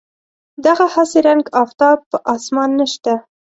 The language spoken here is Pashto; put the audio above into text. دغه هسې رنګ آفتاب په اسمان نشته.